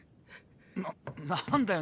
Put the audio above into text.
な何だよ